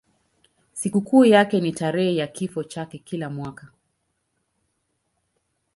Sikukuu yake ni tarehe ya kifo chake kila mwaka.